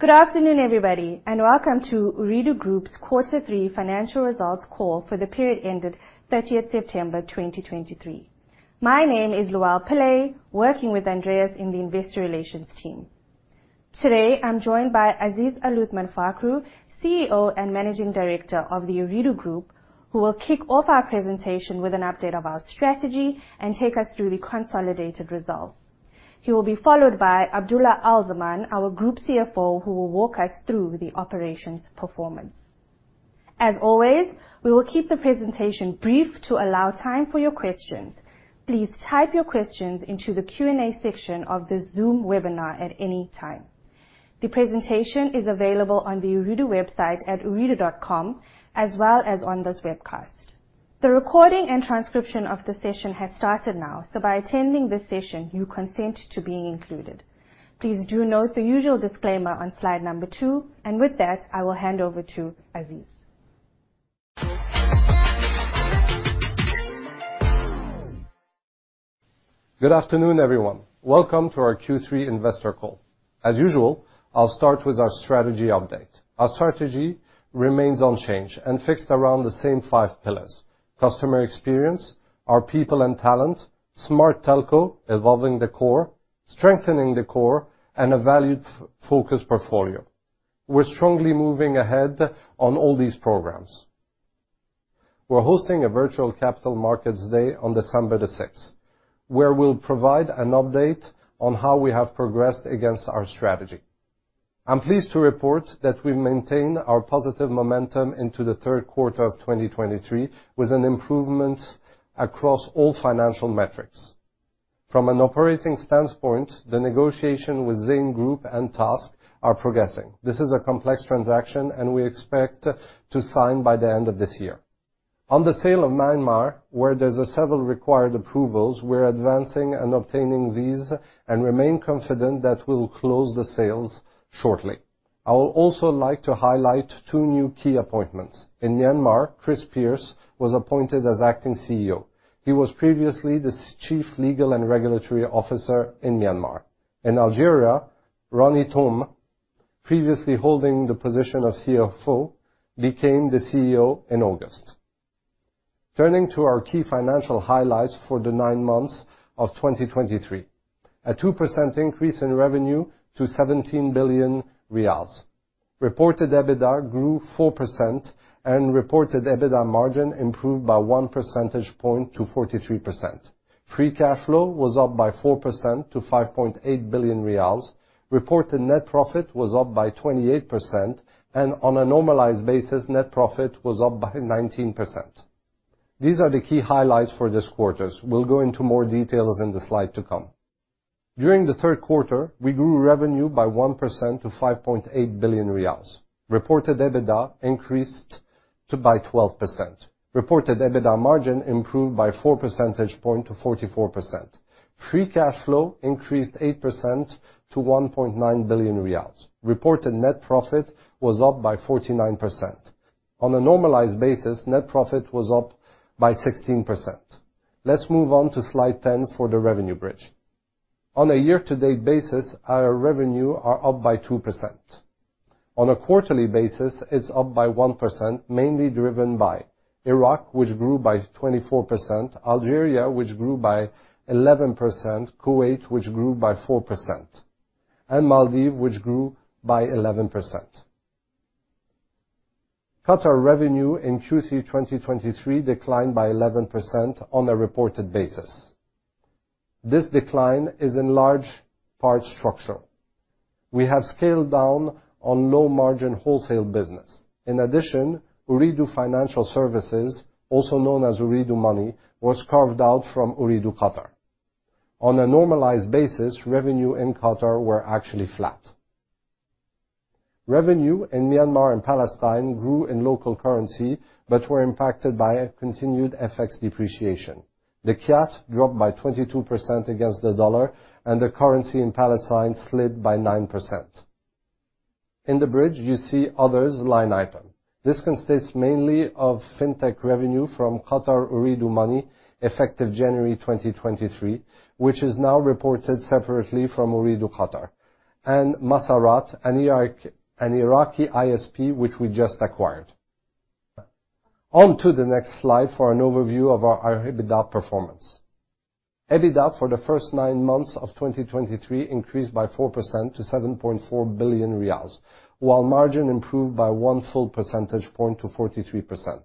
Good afternoon, everybody, and welcome to Ooredoo Group's Quarter Three Financial Results Call for the period ended 30th September 2023. My name is Luelle Pillay, working with Andreas in the investor relations team. Today, I'm joined by Aziz Aluthman Fakhroo, CEO and Managing Director of the Ooredoo Group, who will kick off our presentation with an update of our strategy and take us through the consolidated results. He will be followed by Abdulla Al-Zaman, our Group CFO, who will walk us through the operations performance. As always, we will keep the presentation brief to allow time for your questions. Please type your questions into the Q&A section of the Zoom webinar at any time. The presentation is available on the Ooredoo website at ooredoo.com, as well as on this webcast. The recording and transcription of the session has started now, so by attending this session, you consent to being included. Please do note the usual disclaimer on slide number two, and with that, I will hand over to Aziz. Good afternoon, everyone. Welcome to our Q3 Investor Call. As usual, I'll start with our strategy update. Our strategy remains unchanged and fixed around the same five pillars: customer experience, our people and talent, smart telco, evolving the core, strengthening the core, and a valued focused portfolio. We're strongly moving ahead on all these programs. We're hosting a virtual Capital Markets Day on December the 6th, where we'll provide an update on how we have progressed against our strategy. I'm pleased to report that we've maintained our positive momentum into the third quarter of 2023, with an improvement across all financial metrics. From an operating standpoint, the negotiation with Zain Group and TASC are progressing. This is a complex transaction, and we expect to sign by the end of this year. On the sale of Myanmar, where there's several required approvals, we're advancing and obtaining these and remain confident that we'll close the sales shortly. I would also like to highlight two new key appointments. In Myanmar, Chris Peirce was appointed as acting CEO. He was previously the Chief Legal and Regulatory Officer in Myanmar. In Algeria, Ronnie Tohme, previously holding the position of CFO, became the CEO in August. Turning to our key financial highlights for the nine months of 2023, a 2% increase in revenue to 17 billion riyals. Reported EBITDA grew 4%, and reported EBITDA margin improved by 1 percentage point to 43%. Free cash flow was up by 4% to 5.8 billion riyals. Reported net profit was up by 28%, and on a normalized basis, net profit was up by 19%. These are the key highlights for this quarter's. We'll go into more details in the slide to come. During the third quarter, we grew revenue by 1% to 5.8 billion riyals. Reported EBITDA increased by 12%. Reported EBITDA margin improved by 4 percentage points to 44%. Free cash flow increased 8% to 1.9 billion riyals. Reported net profit was up by 49%. On a normalized basis, net profit was up by 16%. Let's move on to slide 10 for the revenue bridge. On a year-to-date basis, our revenue are up by 2%. On a quarterly basis, it's up by 1%, mainly driven by Iraq, which grew by 24%, Algeria, which grew by 11%, Kuwait, which grew by 4%, and Maldives, which grew by 11%. Qatar revenue in Q3 2023 declined by 11% on a reported basis. This decline is in large part structural. We have scaled down on low-margin wholesale business. In addition, Ooredoo Financial Services, also known as Ooredoo Money, was carved out from Ooredoo Qatar. On a normalized basis, revenue in Qatar were actually flat. Revenue in Myanmar and Palestine grew in local currency, but were impacted by a continued FX depreciation. The kyat dropped by 22% against the dollar, and the currency in Palestine slid by 9%. In the bridge, you see others line item. This consists mainly of fintech revenue from Qatar Ooredoo Money, effective January 2023, which is now reported separately from Ooredoo Qatar, and Masarat, an Iraqi ISP, which we just acquired. On to the next slide for an overview of our EBITDA performance. EBITDA for the first nine months of 2023 increased by 4% to 7.4 billion riyals, while margin improved by one full percentage point to 43%.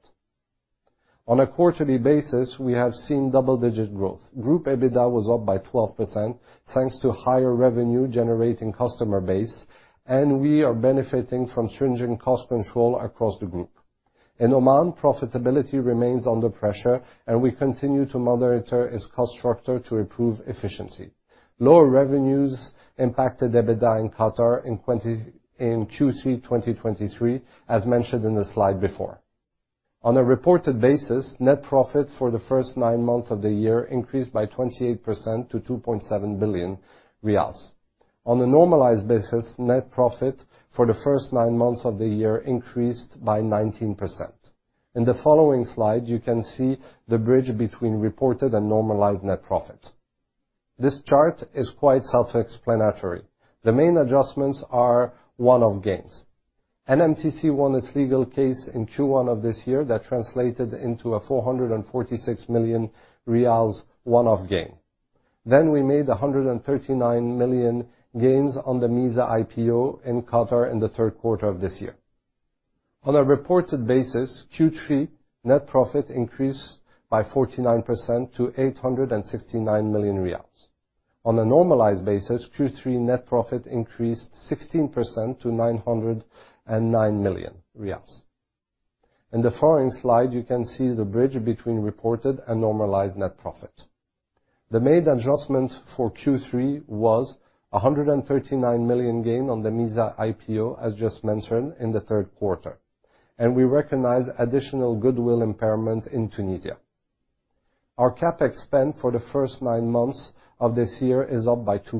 On a quarterly basis, we have seen double-digit growth. Group EBITDA was up by 12%, thanks to higher revenue-generating customer base, and we are benefiting from stringent cost control across the group. In Oman, profitability remains under pressure, and we continue to monitor its cost structure to improve efficiency. Lower revenues impacted EBITDA in Qatar in Q3 2023, as mentioned in the slide before. On a reported basis, net profit for the first nine months of the year increased by 28% to 2.7 billion riyals. On a normalized basis, net profit for the first nine months of the year increased by 19%. In the following slide, you can see the bridge between reported and normalized net profit. This chart is quite self-explanatory. The main adjustments are one-off gains. NMTC won its legal case in Q1 of this year that translated into a 446 million riyals one-off gain. Then we made a 139 million gain on the MEEZA IPO in Qatar in the third quarter of this year. On a reported basis, Q3 net profit increased by 49% to 869 million riyals. On a normalized basis, Q3 net profit increased 16% to 909 million riyals. In the following slide, you can see the bridge between reported and normalized net profit. The main adjustment for Q3 was 139 million gain on the MEEZA IPO, as just mentioned, in the third quarter, and we recognize additional goodwill impairment in Tunisia. Our CapEx spend for the first nine months of this year is up by 2%.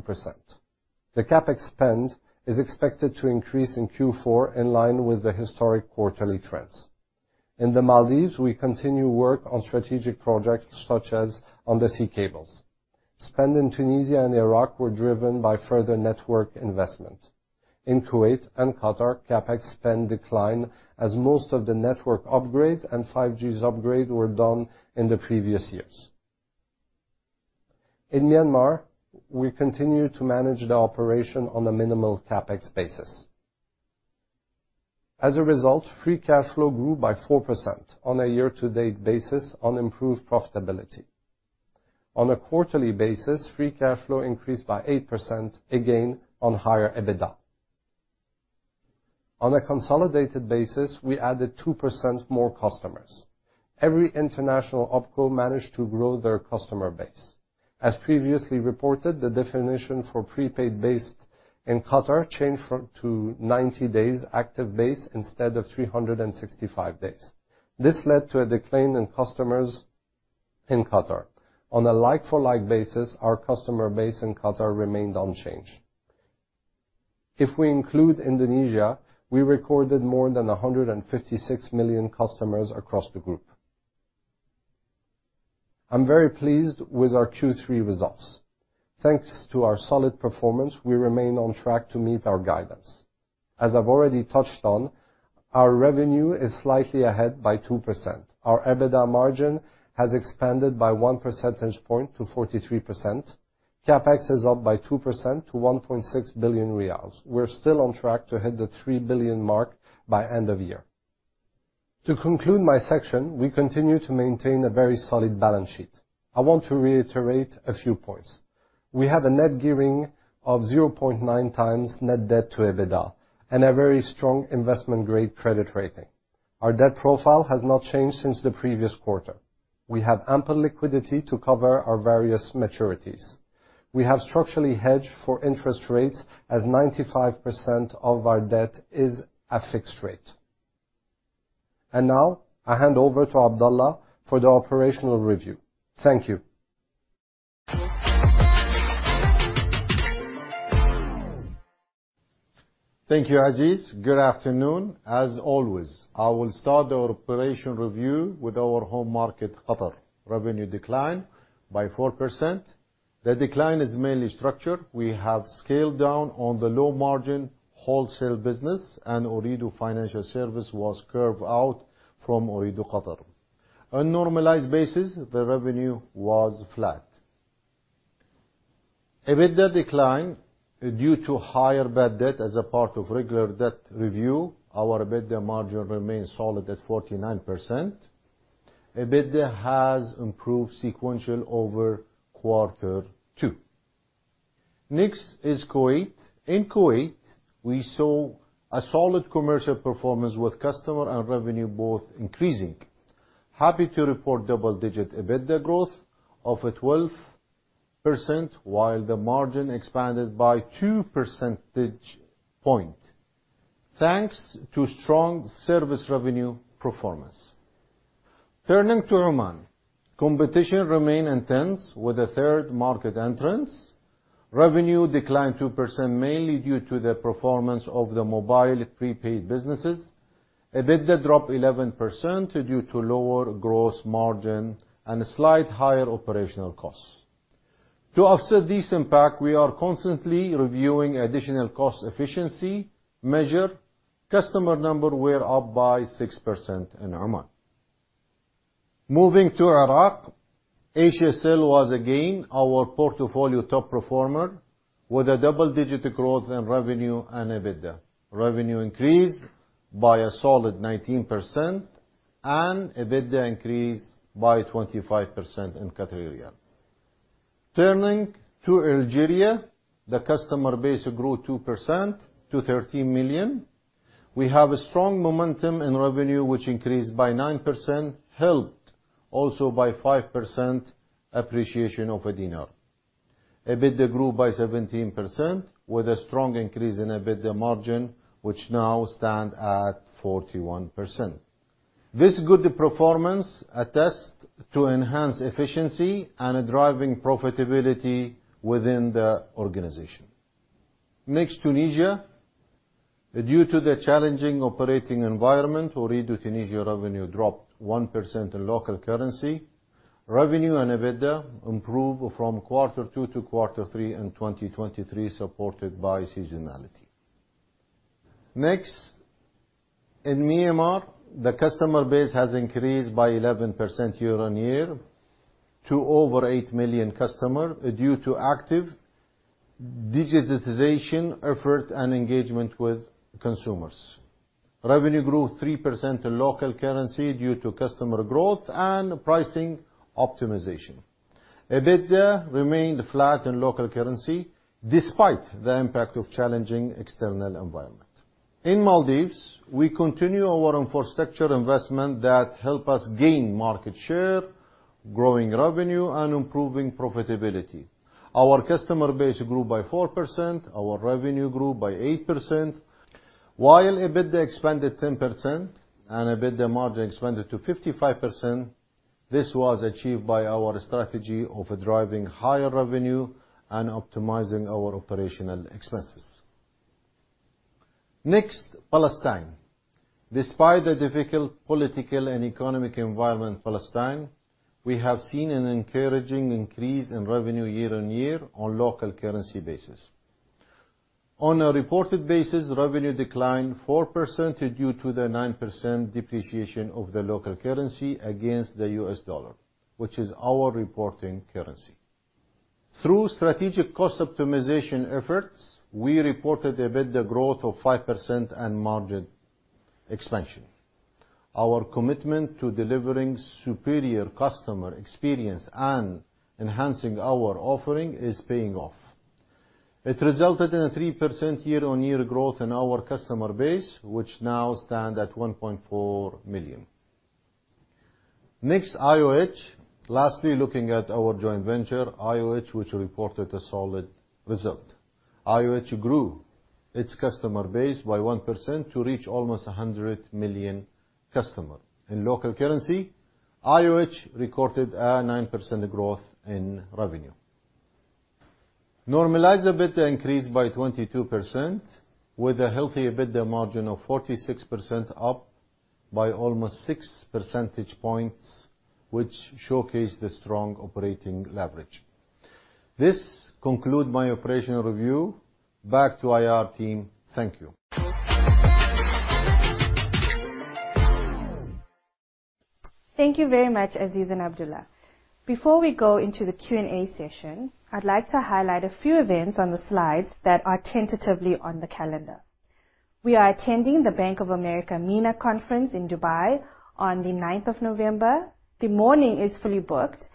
The CapEx spend is expected to increase in Q4, in line with the historic quarterly trends. In the Maldives, we continue work on strategic projects, such as on the sea cables. Spend in Tunisia and Iraq were driven by further network investment. In Kuwait and Qatar, CapEx spend declined, as most of the network upgrades and 5G's upgrade were done in the previous years. In Myanmar, we continue to manage the operation on a minimal CapEx basis. As a result, free cash flow grew by 4% on a year-to-date basis on improved profitability. On a quarterly basis, free cash flow increased by 8%, again, on higher EBITDA. On a consolidated basis, we added 2% more customers. Every international OpCo managed to grow their customer base. As previously reported, the definition for prepaid base in Qatar changed to 90 days active base instead of 365 days. This led to a decline in customers in Qatar. On a like-for-like basis, our customer base in Qatar remained unchanged. If we include Indonesia, we recorded more than 156 million customers across the group. I'm very pleased with our Q3 results. Thanks to our solid performance, we remain on track to meet our guidance. As I've already touched on, our revenue is slightly ahead by 2%. Our EBITDA margin has expanded by one percentage point to 43%. CapEx is up by 2% to 1.6 billion riyals. We're still on track to hit the 3 billion mark by end of year. To conclude my section, we continue to maintain a very solid balance sheet. I want to reiterate a few points. We have a net gearing of 0.9x net debt to EBITDA, and a very strong investment-grade credit rating. Our debt profile has not changed since the previous quarter. We have ample liquidity to cover our various maturities. We have structurally hedged for interest rates, as 95% of our debt is at fixed rate. Now, I hand over to Abdulla for the operational review. Thank you. Thank you, Aziz. Good afternoon. As always, I will start the operation review with our home market, Qatar. Revenue declined by 4%. The decline is mainly structured. We have scaled down on the low-margin wholesale business, and Ooredoo Financial Services was carved out from Ooredoo Qatar. On a normalized basis, the revenue was flat. EBITDA declined due to higher bad debt as a part of regular debt review. Our EBITDA margin remains solid at 49%. EBITDA has improved sequential over quarter two. Next is Kuwait. In Kuwait, we saw a solid commercial performance with customer and revenue both increasing. Happy to report double-digit EBITDA growth of 12%, while the margin expanded by two percentage points, thanks to strong service revenue performance. Turning to Oman. Competition remained intense with a third market entrance. Revenue declined 2%, mainly due to the performance of the mobile prepaid businesses. EBITDA dropped 11% due to lower gross margin and slightly higher operational costs. To offset this impact, we are constantly reviewing additional cost efficiency measures. Customer numbers were up by 6% in Oman. Moving to Iraq, Asiacell was again our portfolio top performer with a double-digit growth in revenue and EBITDA. Revenue increased by a solid 19% and EBITDA increased by 25% in Qatari riyal. Turning to Algeria, the customer base grew 2% to 13 million. We have a strong momentum in revenue, which increased by 9%, helped also by 5% appreciation of dinar. EBITDA grew by 17% with a strong increase in EBITDA margin, which now stands at 41%. This good performance attests to enhanced efficiency and driving profitability within the organization. Next, Tunisia. Due to the challenging operating environment, Ooredoo Tunisia revenue dropped 1% in local currency. Revenue and EBITDA improved from quarter two to quarter three in 2023, supported by seasonality. Next, in Myanmar, the customer base has increased by 11% year-on-year to over eight million customer, due to active digitization effort and engagement with consumers. Revenue grew 3% in local currency due to customer growth and pricing optimization. EBITDA remained flat in local currency despite the impact of challenging external environment. In Maldives, we continue our infrastructure investment that help us gain market share, growing revenue and improving profitability. Our customer base grew by 4%, our revenue grew by 8%, while EBITDA expanded 10% and EBITDA margin expanded to 55%. This was achieved by our strategy of driving higher revenue and optimizing our operational expenses. Next, Palestine. Despite the difficult political and economic environment in Palestine, we have seen an encouraging increase in revenue year-on-year on local currency basis. On a reported basis, revenue declined 4% due to the 9% depreciation of the local currency against the US dollar, which is our reporting currency. Through strategic cost optimization efforts, we reported EBITDA growth of 5% and margin expansion. Our commitment to delivering superior customer experience and enhancing our offering is paying off. It resulted in a 3% year-on-year growth in our customer base, which now stand at 1.4 million. Next, IOH. Lastly, looking at our joint venture, IOH, which reported a solid result. IOH grew its customer base by 1% to reach almost 100 million customer. In local currency, IOH recorded a 9% growth in revenue. Normalized EBITDA increased by 22%, with a healthy EBITDA margin of 46%, up by almost six percentage points, which showcase the strong operating leverage. This conclude my operational review. Back to IR team. Thank you. Thank you very much, Aziz and Abdulla. Before we go into the Q&A session, I'd like to highlight a few events on the slides that are tentatively on the calendar. We are attending the Bank of America MENA Conference in Dubai on the 9th of November. The morning is fully booked,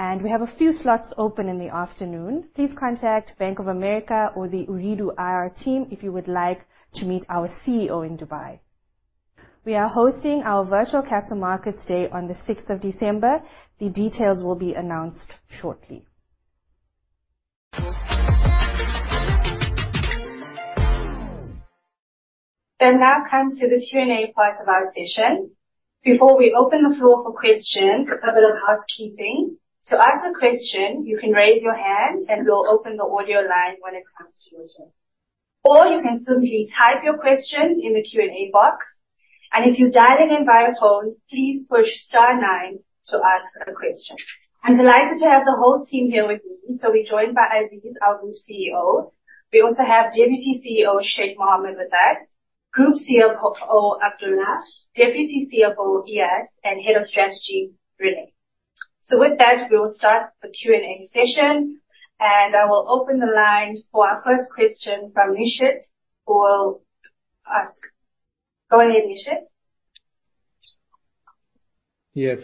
and we have a few slots open in the afternoon. Please contact Bank of America or the Ooredoo IR team if you would like to meet our CEO in Dubai. We are hosting our virtual Capital Markets Day on the sixth of December. The details will be announced shortly. We now come to the Q&A part of our session. Before we open the floor for questions, a bit of housekeeping. To ask a question, you can raise your hand, and we'll open the audio line when it comes to you. Or you can simply type your question in the Q&A box, and if you dialed in via phone, please push star nine to ask a question. I'm delighted to have the whole team here with me. So we're joined by Aziz, our Group CEO. We also have Deputy CEO, Sheikh Mohammed, with us, Group CFO, Abdulla, Deputy CFO, Eyas, and Head of Strategy, René. So with that, we will start the Q&A session, and I will open the line for our first question from Nishit, who will ask. Go ahead, Nishit. Yes,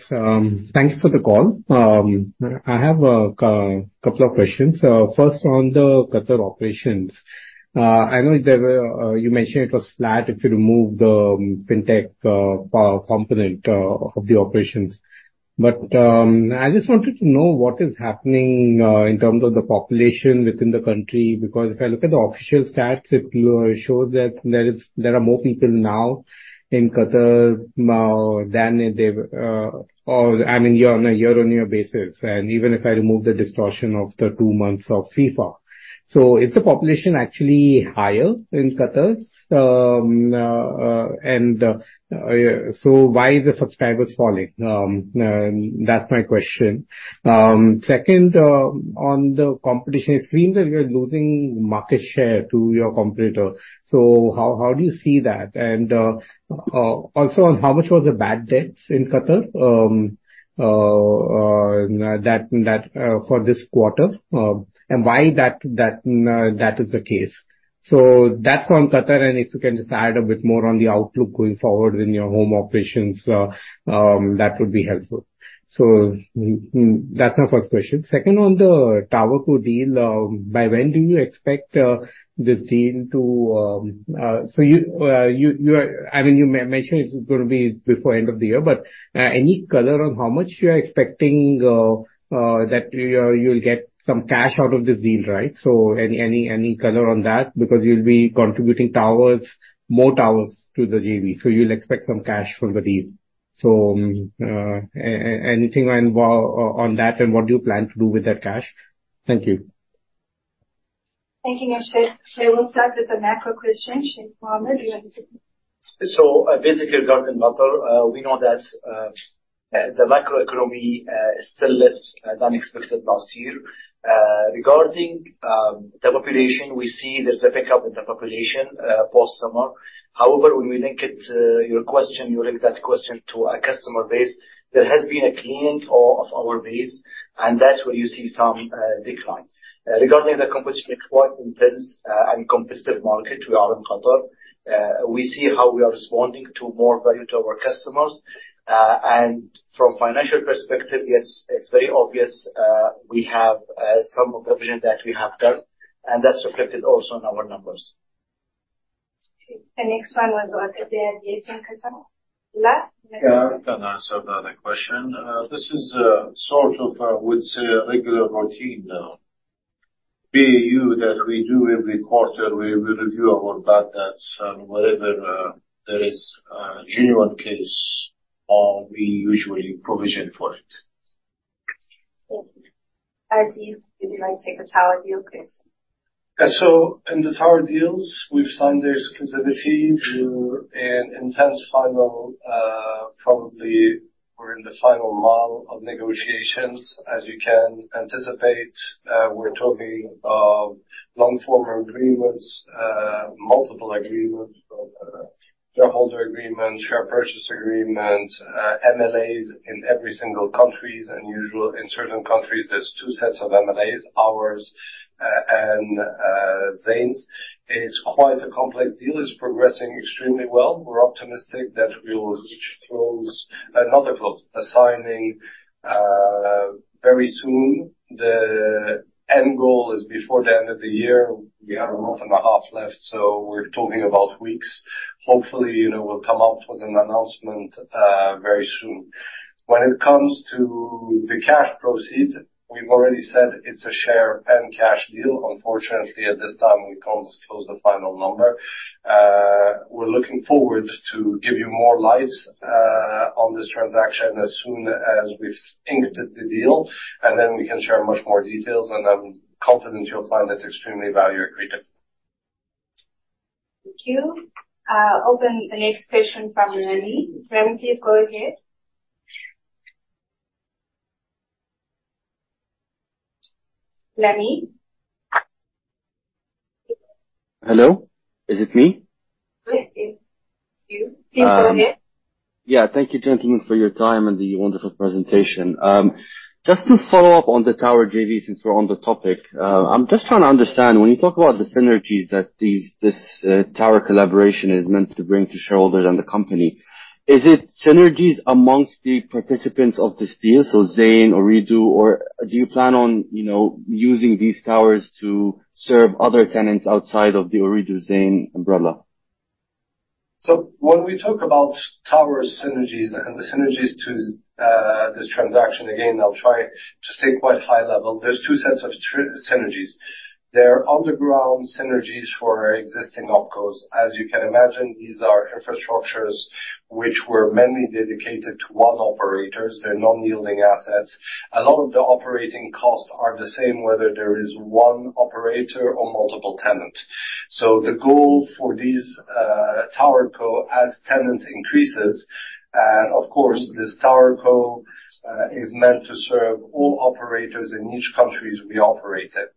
thank you for the call. I have a couple of questions. First, on the Qatar operations. I know you mentioned it was flat if you remove the fintech component of the operations. But I just wanted to know what is happening in terms of the population within the country, because if I look at the official stats, it shows that there are more people now in Qatar than they've, or, I mean, year, on a year-on-year basis, and even if I remove the distortion of the two months of FIFA. So is the population actually higher in Qatar? And so why is the subscribers falling? That's my question. Second, on the competition, it seems that you are losing market share to your competitor. So how do you see that? And also, on how much was the bad debts in Qatar, that for this quarter, and why that is the case? So that's on Qatar, and if you can just add a bit more on the outlook going forward in your home operations, that would be helpful. So that's my first question. Second, on the TowerCo deal, by when do you expect this deal to? So you are, I mean, you mentioned it's gonna be before end of the year, but any color on how much you are expecting that you will get some cash out of this deal, right? So any color on that? Because you'll be contributing towers, more towers to the JV, so you'll expect some cash from the deal. So, anything on, well, on that, and what do you plan to do with that cash? Thank you. Thank you, Sheikh. We will start with the macro question, Sheikh Mohammed. So, basically, regarding Qatar, we know that the macroeconomy is still less than expected last year. Regarding the population, we see there's a pickup in the population post-summer. However, when we link it to your question, you link that question to our customer base, there has been a clean fall of our base, and that's where you see some decline. Regarding the competition, it's quite intense and competitive market we are in Qatar. We see how we are responding to more value to our customers. And from financial perspective, yes, it's very obvious, we have some provision that we have done, and that's reflected also in our numbers. The next one was about the deal in Qatar. Abdulla? Yeah, I can answer another question. This is, sort of, I would say, a regular routine now. BAU that we do every quarter, we review our bad debts, and wherever there is a genuine case, we usually provision for it. Thank you. Aziz, would you like to take the tower deal, please? So in the tower deals, we've signed exclusivity to an intense final, probably we're in the final mile of negotiations. As you can anticipate, we're talking of long-form agreements, multiple agreements, of shareholder agreements, share purchase agreements, MLAs in every single countries. As usual, in certain countries, there's two sets of MLAs, ours and Zain's. It's quite a complex deal. It's progressing extremely well. We're optimistic that we will reach closure, not a closure, a signing very soon. The end goal is before the end of the year. We have a month and a half left, so we're talking about weeks. Hopefully, you know, we'll come out with an announcement very soon. When it comes to the cash proceeds, we've already said it's a share and cash deal. Unfortunately, at this time, we can't close the final number. We're looking forward to give you more lights on this transaction as soon as we've inked the deal, and then we can share much more details, and I'm confident you'll find it extremely value accretive. Thank you. Open the next question from Rami. Rami, please go ahead. Rami? Hello, is it me? Yes, it's you. Please go ahead. Yeah, thank you, gentlemen, for your time and the wonderful presentation. Just to follow up on the tower JV, since we're on the topic. I'm just trying to understand, when you talk about the synergies that these, this tower collaboration is meant to bring to shareholders and the company, is it synergies amongst the participants of this deal, so Zain, Ooredoo, or do you plan on, you know, using these towers to serve other tenants outside of the Ooredoo/Zain umbrella? So when we talk about tower synergies and the synergies to this transaction, again, I'll try to stay quite high level. There's two sets of synergies. There are underutilized synergies for existing OpCos. As you can imagine, these are infrastructures which were mainly dedicated to one operator. They're non-yielding assets. A lot of the operating costs are the same, whether there is one operator or multiple tenants. So the goal for this TowerCo, as tenants increase, and of course, this TowerCo is meant to serve all operators in each country we operate in.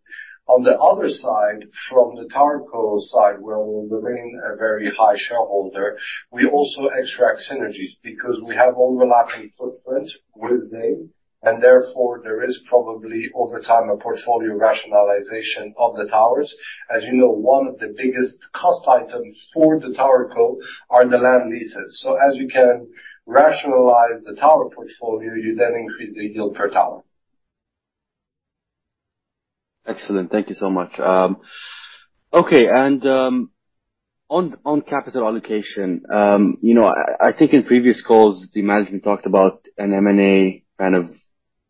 On the other side, from the TowerCo side, where we remain a very high shareholder, we also extract synergies because we have overlapping footprint with Zain, and therefore, there is probably, over time, a portfolio rationalization of the towers. As you know, one of the biggest cost items for the TowerCo are the land leases. So as you can rationalize the tower portfolio, you then increase the yield per tower. Excellent. Thank you so much. Okay, on capital allocation, you know, I think in previous calls, the management talked about an M&A kind of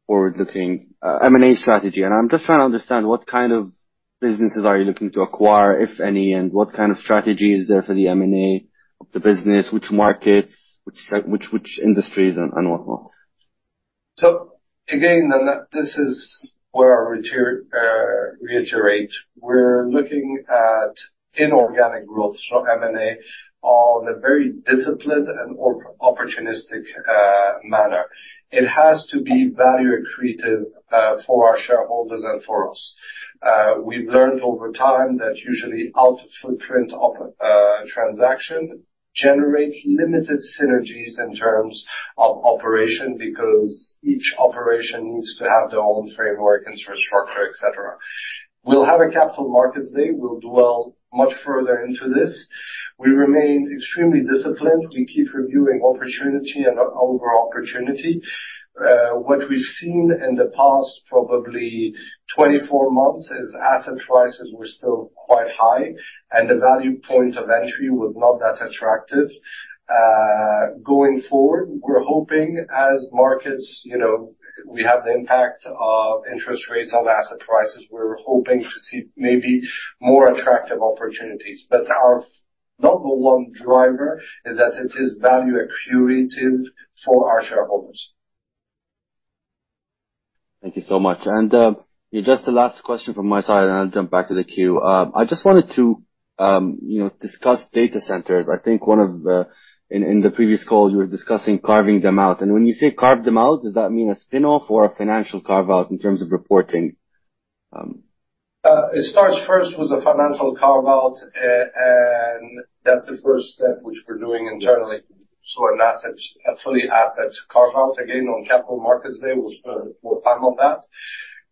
forward-looking M&A strategy, and I'm just trying to understand what kind of businesses are you looking to acquire, if any, and what kind of strategy is there for the M&A of the business, which markets, which sectors, which industries and what not? So again, then that this is where I reiterate. We're looking at inorganic growth, so M&A, on a very disciplined and opportunistic manner. It has to be value accretive for our shareholders and for us. We've learned over time that usually our footprint OpCo transaction generates limited synergies in terms of operation, because each operation needs to have their own framework, infrastructure, et cetera. We'll have a Capital Markets Day. We'll dwell much further into this. We remain extremely disciplined. We keep reviewing opportunity and over opportunity. What we've seen in the past probably 24 months, is asset prices were still quite high, and the value point of entry was not that attractive. Going forward, we're hoping as markets, you know, we have the impact of interest rates on asset prices, we're hoping to see maybe more attractive opportunities. But our number one driver is that it is value accretive for our shareholders. Thank you so much. And just the last question from my side, and I'll jump back to the queue. I just wanted to, you know, discuss data centers. I think one of the— In the previous call, you were discussing carving them out. And when you say carve them out, does that mean a spin-off or a financial carve-out in terms of reporting? It starts first with a financial carve-out, and that's the first step which we're doing internally. So an asset, a fully asset carve-out, again, on Capital Markets Day, we'll, we'll plan on that.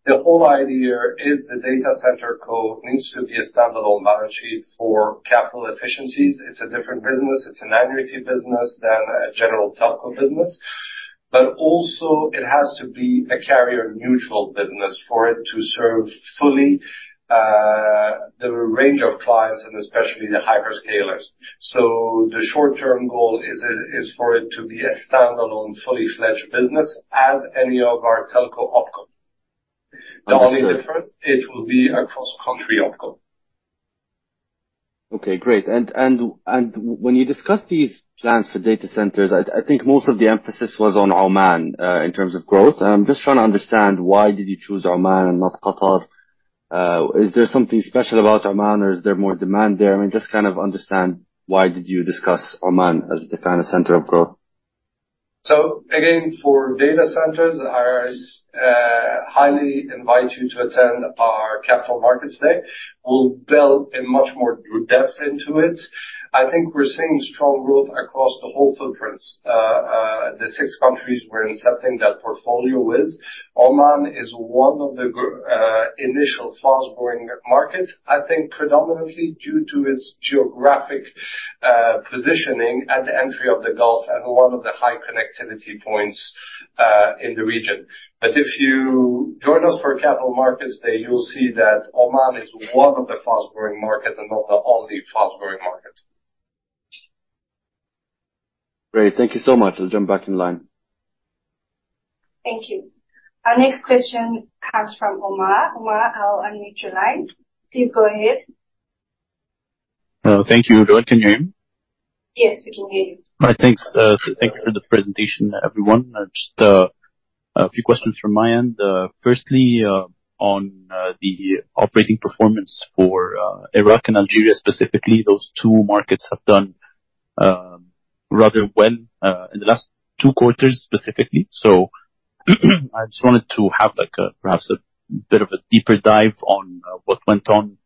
The whole idea is the data center co needs to be a standalone balance sheet for capital efficiencies. It's a different business. It's an annuity business than a general telco business, but also it has to be a carrier-neutral business for it to serve fully, the range of clients and especially the hyperscalers. So the short-term goal is, is for it to be a standalone, fully fledged business as any of our telco OpCo. Understood. The only difference, it will be a cross-country OpCo. Okay, great. And when you discuss these plans for data centers, I think most of the emphasis was on Oman in terms of growth. I'm just trying to understand why did you choose Oman and not Qatar? Is there something special about Oman, or is there more demand there? I mean, just kind of understand, why did you discuss Oman as the kind of center of growth? So again, for data centers, I highly invite you to attend our Capital Markets Day. We'll build in much more depth into it. I think we're seeing strong growth across the whole footprints. The six countries we're incepting that portfolio with, Oman is one of the initial fast-growing markets, I think predominantly due to its geographic positioning at the entry of the Gulf and one of the high connectivity points in the region. But if you join us for Capital Markets Day, you'll see that Oman is one of the fast-growing markets and not the only fast-growing market. Great. Thank you so much. I'll jump back in line. Thank you. Our next question comes from Omar. Omar, I'll unmute your line. Please go ahead. Thank you. Can you hear me? Yes, we can hear you. All right, thanks. Thank you for the presentation, everyone. Just a few questions from my end. Firstly, on the operating performance for Iraq and Algeria, specifically, those two markets have done rather well in the last two quarters, specifically. So, I just wanted to have, like, a perhaps a bit of a deeper dive on what went on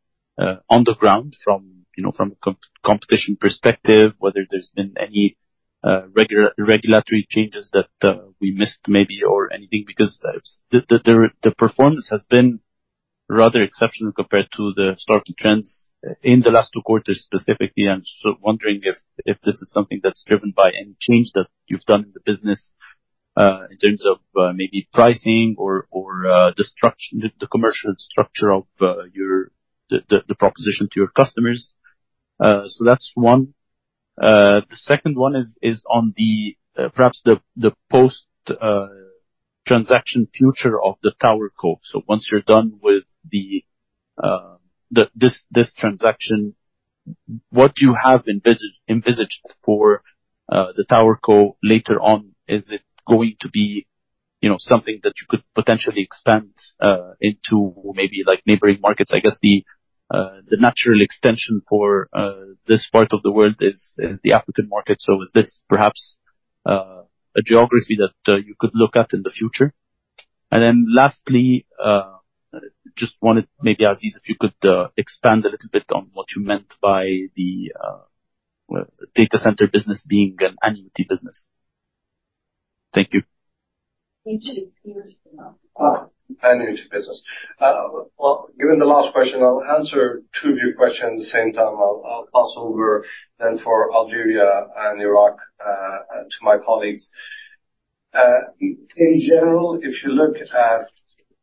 on the ground from, you know, from a competition perspective, whether there's been any regulatory changes that we missed maybe or anything, because the performance has been rather exceptional compared to the historical trends in the last two quarters, specifically. I'm just wondering if this is something that's driven by any change that you've done in the business, in terms of, maybe pricing or, or, structure, the commercial structure of, your... the, the, the proposition to your customers. So that's one. The second one is on the, perhaps the post-transaction future of the TowerCo. So once you're done with the, this transaction, what you have envisaged for the TowerCo later on, is it going to be, you know, something that you could potentially expand into maybe like neighboring markets? I guess the natural extension for this part of the world is the African market. So is this perhaps a geography that you could look at in the future? Then lastly, just wanted, maybe, Aziz, if you could expand a little bit on what you meant by the data center business being an annuity business. Thank you. Annuity business. Annuity business. Well, given the last question, I'll answer two of your questions at the same time. I'll pass over then for Algeria and Iraq to my colleagues. In general, if you look at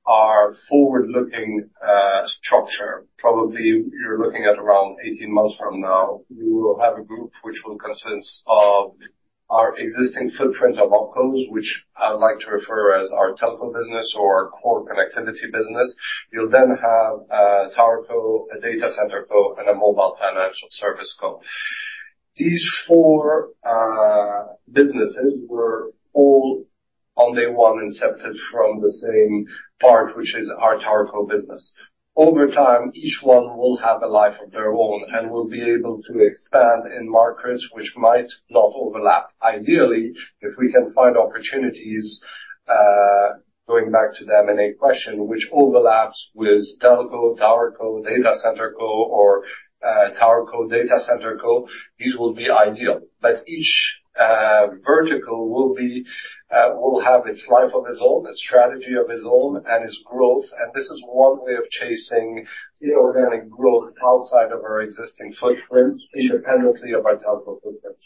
our forward-looking structure, probably you're looking at around 18 months from now, we will have a group which will consist of our existing footprint of OpCos, which I would like to refer as our telco business or our core connectivity business. You'll then have a TowerCo, a data center co, and a mobile financial service co. These four businesses were all on day one, incepted from the same part, which is our TowerCo business. Over time, each one will have a life of their own and will be able to expand in markets which might not overlap. Ideally, if we can find opportunities, going back to the M&A question, which overlaps with telco, TowerCo, data center co, or TowerCo, data center co, these will be ideal. But each vertical will be, will have its life of its own, a strategy of its own, and its growth. And this is one way of chasing the organic growth outside of our existing footprint, independently of our telco footprint.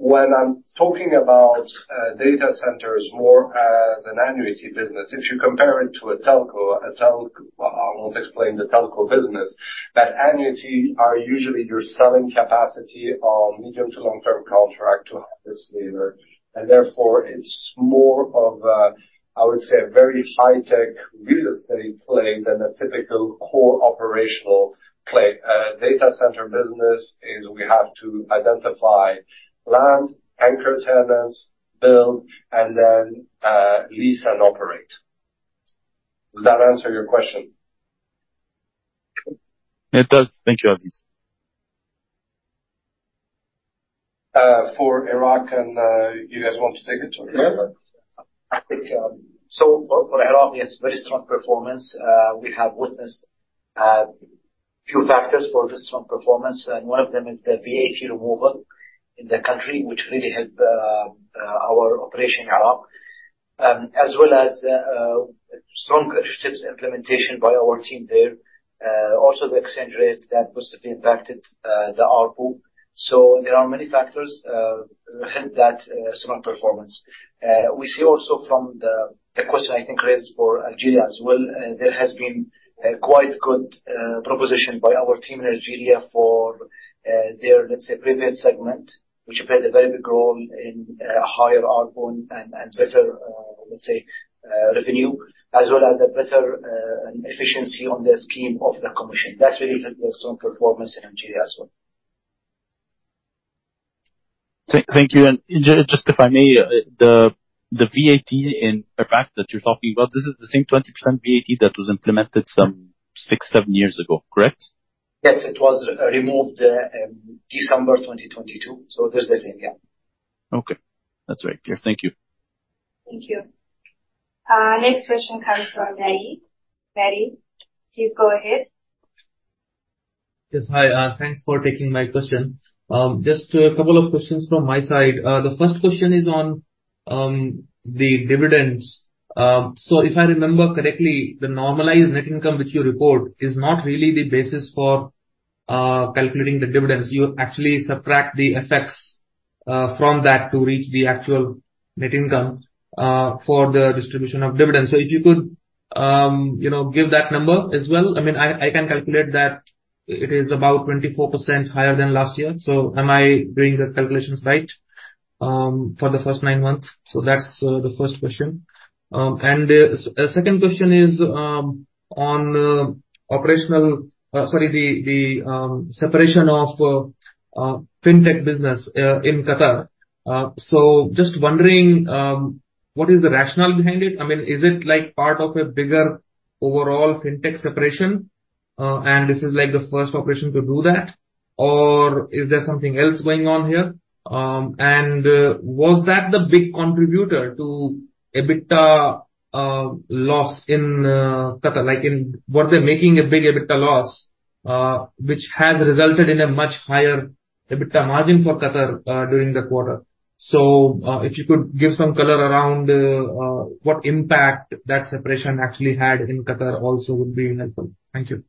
When I'm talking about data centers more as an annuity business, if you compare it to a telco, a telco. I won't explain the telco business, but annuity are usually you're selling capacity on medium to long-term contract to hyperscaler, and therefore it's more of a, I would say, a very high-tech real estate play than a typical core operational play. Data center business is we have to identify land, anchor tenants, build, and then, lease and operate. Does that answer your question? It does. Thank you, Aziz. For Iraq and, you guys want to take it or? Yeah, I think so for Iraq, we have very strong performance. We have witnessed few factors for this strong performance, and one of them is the VAT removal in the country, which really helped our operation in Iraq. As well as strong initiatives implementation by our team there. Also the exchange rate that positively impacted the ARPU. So there are many factors behind that strong performance. We see also from the question I think raised for Algeria as well, there has been a quite good proposition by our team in Algeria for their, let's say, premium segment, which played a very big role in higher ARPU and better, let's say, revenue, as well as a better efficiency on the scheme of the commission. That really helped the strong performance in Algeria as well. Thank you. And just if I may, the VAT in Iraq that you're talking about, this is the same 20% VAT that was implemented some six, seven years ago, correct? Yes, it was removed December 2022. So that's the same, yeah. Okay. That's right. Yeah. Thank you. Thank you. Next question comes from Mari. Mari, please go ahead. Yes, hi. Thanks for taking my question. Just a couple of questions from my side. The first question is on the dividends. So if I remember correctly, the normalized net income which you report is not really the basis for calculating the dividends. You actually subtract the effects from that to reach the actual net income for the distribution of dividends. So if you could, you know, give that number as well. I mean, I can calculate that it is about 24% higher than last year. So am I doing the calculations right for the first nine months? So that's the first question. And a second question is on the separation of the fintech business in Qatar. So just wondering, what is the rationale behind it? I mean, is it like part of a bigger overall fintech separation, and this is like the first operation to do that? Or is there something else going on here? And was that the big contributor to EBITDA loss in Qatar? Like, were they making a big EBITDA loss, which has resulted in a much higher EBITDA margin for Qatar during the quarter? So, if you could give some color around what impact that separation actually had in Qatar also would be helpful. Thank you.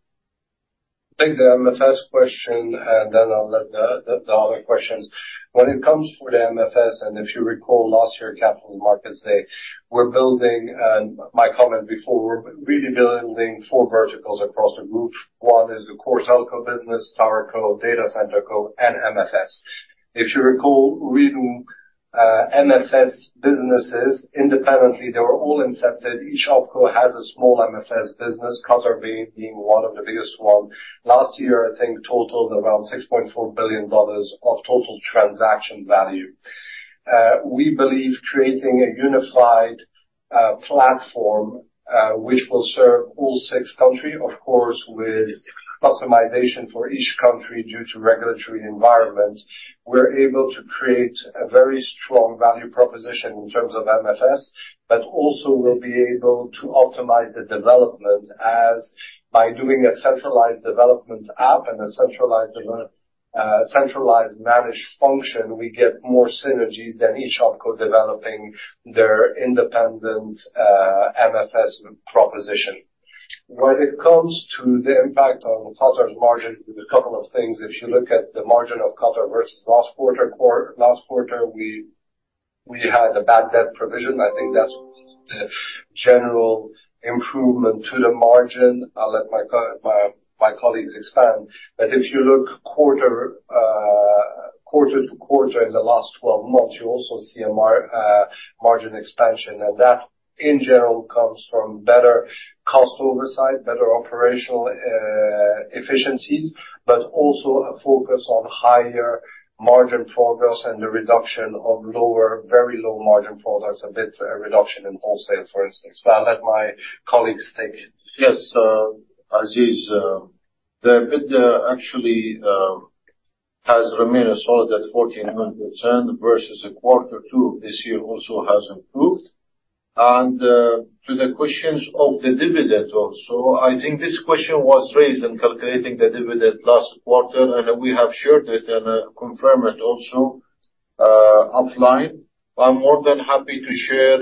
I'll take the MFS question, and then I'll let the other questions. When it comes to the MFS, and if you recall last year, Capital Markets Day, we're building, and my comment before, we're really building four verticals across the group. One is the core telco business, TowerCo, data center co, and MFS. If you recall, we do MFS businesses independently. They were all incepted. Each opco has a small MFS business, Qatar being one of the biggest one. Last year, I think, totaled around $6.4 billion of total transaction value. We believe creating a unified platform, which will serve all six countries, of course, with customization for each country due to regulatory environment, we're able to create a very strong value proposition in terms of MFS, but also we'll be able to optimize the development as by doing a centralized development app and a centralized managed function, we get more synergies than each OpCo developing their independent MFS proposition. When it comes to the impact on Qatar's margin, there's a couple of things. If you look at the margin of Qatar versus last quarter, we had a bad debt provision. I think that's the general improvement to the margin. I'll let my colleagues expand. But if you look quarter to quarter in the last 12 months, you also see a margin expansion. That, in general, comes from better cost oversight, better operational efficiencies, but also a focus on higher margin products and the reduction of lower, very low margin products, and that's a reduction in wholesale, for instance. But I'll let my colleagues take it. Yes, Aziz, the EBITDA actually has remained solid at 1,400% versus quarter two this year also has improved. And, to the questions of the dividend also, I think this question was raised in calculating the dividend last quarter, and we have shared it and confirmed it also offline. I'm more than happy to share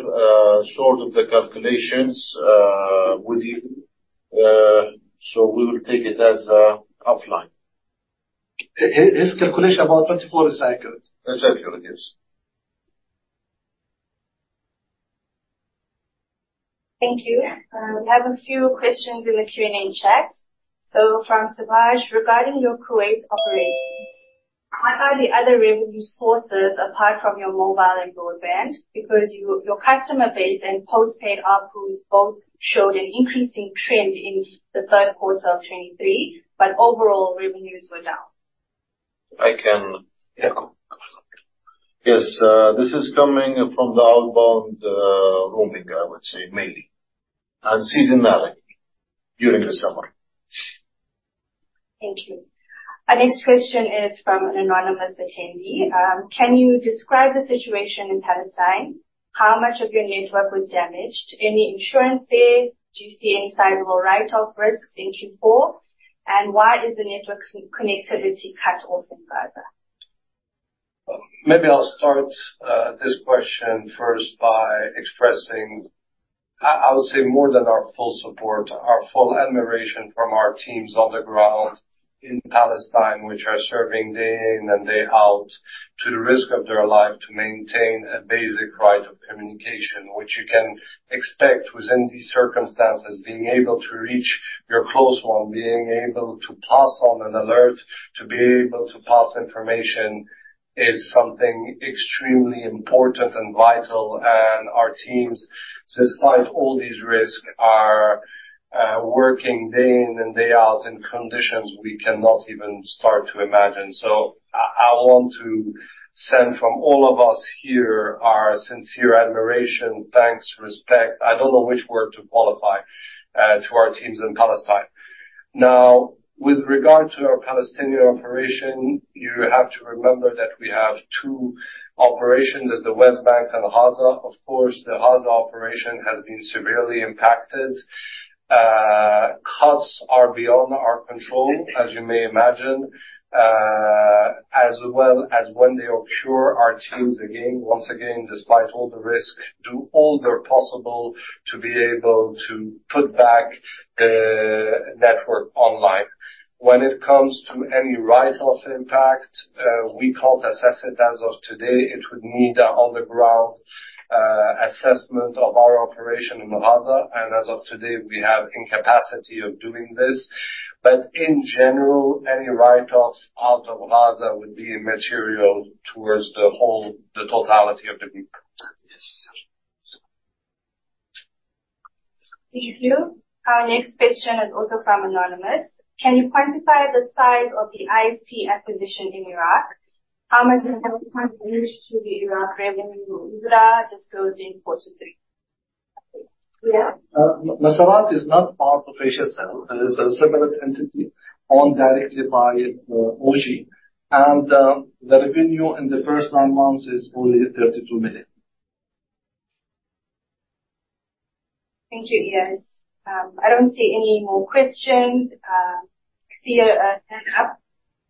sort of the calculations with you. So we will take it as offline. Hi, this calculation about 24, is that accurate? It's accurate, yes. Thank you. We have a few questions in the Q&A chat. So from [Sauvage]: Regarding your Kuwait operations, what are the other revenue sources apart from your mobile and broadband? Because your, your customer base and postpaid ARPU both showed an increasing trend in the third quarter of 2023, but overall, revenues were down. I can, yeah. Yes, this is coming from the outbound roaming, I would say, mainly, and seasonality during the summer. Thank you. Our next question is from an anonymous attendee. Can you describe the situation in Palestine? How much of your network was damaged? Any insurance there? Do you see any sizable write-off risks in Q4? And why is the network connectivity cut off in Gaza? Maybe I'll start this question first by expressing, I would say more than our full support, our full admiration from our teams on the ground in Palestine, which are serving day in and day out to the risk of their life, to maintain a basic right of communication. Which you can expect within these circumstances, being able to reach your close one, being able to pass on an alert, to be able to pass information, is something extremely important and vital. And our teams, despite all these risks, are working day in and day out in conditions we cannot even start to imagine. So I want to send from all of us here, our sincere admiration, thanks, respect, I don't know which word to qualify, to our teams in Palestine. Now, with regard to our Palestinian operation, you have to remember that we have two operations: there's the West Bank and Gaza. Of course, the Gaza operation has been severely impacted. Costs are beyond our control, as you may imagine, as well as when they occur, our teams, again, once again, despite all the risk, do all their possible to be able to put back network online. When it comes to any write-off impact, we can't assess it as of today. It would need a on-the-ground assessment of our operation in Gaza, and as of today, we have incapacity of doing this. But in general, any write-off out of Gaza would be material towards the whole, the totality of the group. Yes. Thank you. Our next question is also from anonymous. Can you quantify the size of the ISP acquisition in Iraq? How much of it contributes to the Iraq revenue? Iraq disclosing 43. Yeah? Masarat is not part of Asiacell. It is a separate entity owned directly by OG. The revenue in the first nine months is only 32 million. Thank you, Eyas. I don't see any more questions. I see a hand up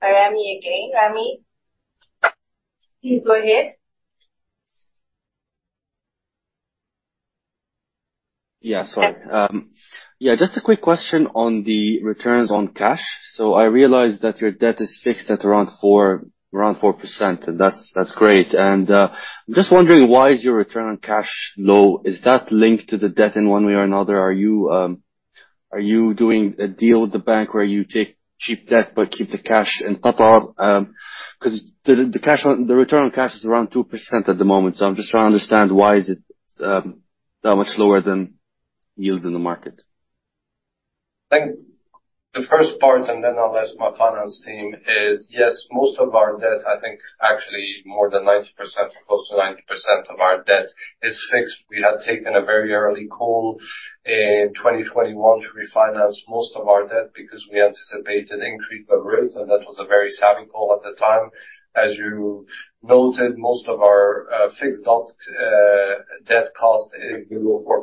by Rami again. Rami, please go ahead. Yeah, sorry. Yeah, just a quick question on the returns on cash. So I realize that your debt is fixed at around 4%, around 4%, and that's, that's great. And, I'm just wondering, why is your return on cash low? Is that linked to the debt in one way or another? Are you, are you doing a deal with the bank where you take cheap debt but keep the cash in Qatar? 'Cause the, the return on cash is around 2% at the moment. So I'm just trying to understand why is it, that much lower than yields in the market? I think the first part, and then I'll ask my finance team, is yes, most of our debt, I think actually more than 90%, close to 90% of our debt is fixed. We had taken a very early call in 2021 to refinance most of our debt because we anticipated increase of rates, and that was a very savvy call at the time. As you noted, most of our fixed out debt cost is below 4%.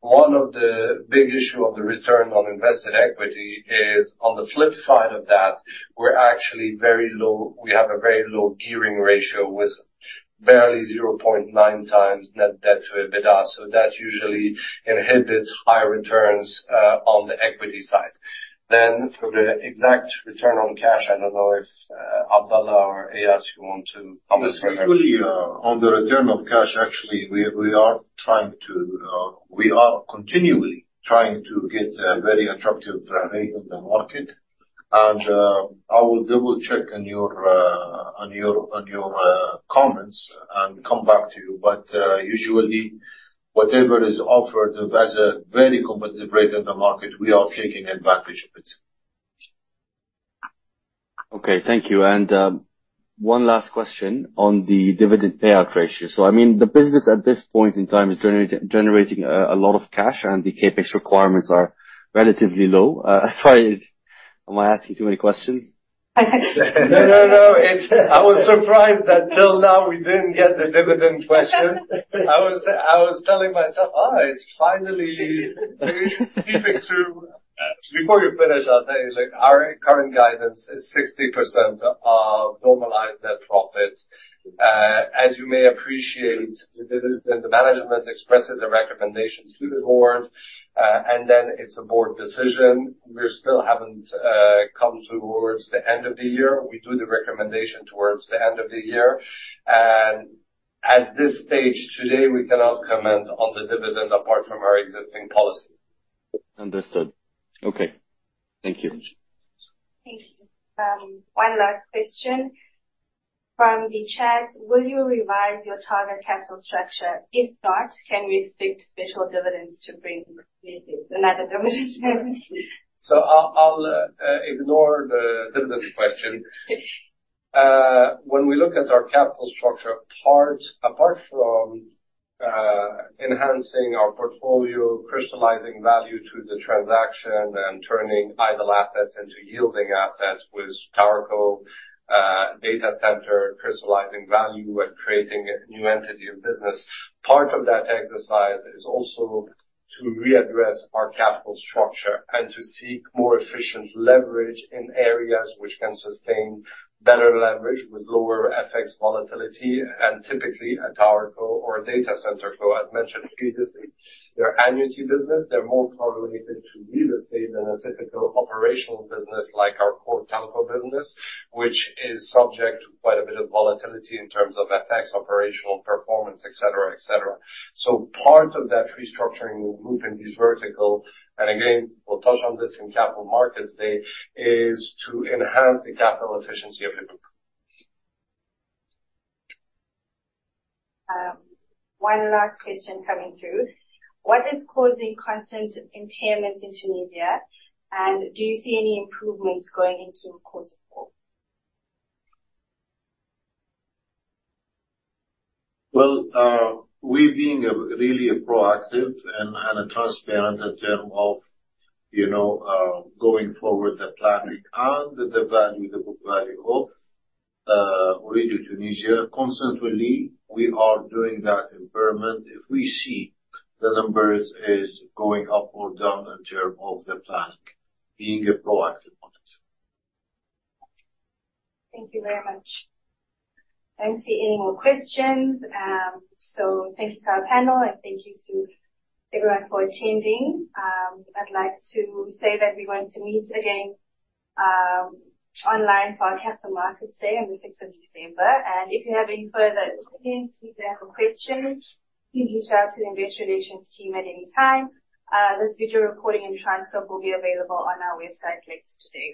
One of the big issue of the return on invested equity is, on the flip side of that, we're actually very low. We have a very low gearing ratio, with barely 0.9x net debt to EBITDA, so that usually inhibits higher returns on the equity side. Then for the exact return on cash, I don't know if, Abdullah or Eyas, you want to comment on that? Actually, on the return of cash, actually, we are continually trying to get a very attractive rate in the market. I will double-check on your comments and come back to you. But, usually, whatever is offered as a very competitive rate in the market, we are taking advantage of it. Okay, thank you. And one last question on the dividend payout ratio. So I mean, the business at this point in time is generating a lot of cash, and the CapEx requirements are relatively low. Sorry, am I asking too many questions? No, no, no. It's. I was surprised that till now, we didn't get the dividend question. I was, I was telling myself, "Oh, it's finally..." Before you finish, I'll tell you, like, our current guidance is 60% of normalized net profit. As you may appreciate, the dividend, the management expresses a recommendation to the board, and then it's a board decision. We still haven't come towards the end of the year. We do the recommendation towards the end of the year, and at this stage today, we cannot comment on the dividend apart from our existing policy. Understood. Okay. Thank you. Thank you. One last question from the chat: Will you revise your target capital structure? If not, can we expect special dividends to bring another dividend? So I'll ignore the dividend question. When we look at our capital structure, apart from enhancing our portfolio, crystallizing value to the transaction, and turning idle assets into yielding assets with TowerCo, data center, crystallizing value and creating a new entity of business, part of that exercise is also to readdress our capital structure and to seek more efficient leverage in areas which can sustain better leverage with lower FX volatility, and typically a TowerCo or a data center. So as mentioned previously, their annuity business, they're more correlated to real estate than a typical operational business like our core telco business, which is subject to quite a bit of volatility in terms of FX, operational performance, et cetera, et cetera. Part of that restructuring will move in this vertical, and again, we'll touch on this in Capital Markets Day, is to enhance the capital efficiency of the group. One last question coming through: What is causing constant impairments in Tunisia, and do you see any improvements going into quarter four? Well, we being really a proactive and a transparent in term of, you know, going forward the planning and the value, the book value of Ooredoo Tunisia, constantly, we are doing that impairment. If we see the numbers is going up or down in term of the planning, being a proactive on it. Thank you very much. I don't see any more questions. Thanks to our panel, and thank you to everyone for attending. I'd like to say that we're going to meet again, online for our Capital Markets Day on the 6th of December, and if you have any further opinions or questions, please reach out to the Investor Relations team at any time. This video recording and transcript will be available on our website later today.